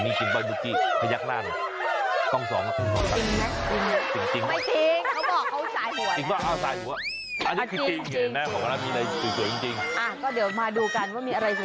มีจริงหรือไม่เนาะนุคกี้ไพยักราญ